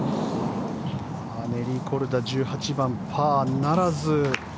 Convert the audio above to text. ネリー・コルダ１８番、パーならず。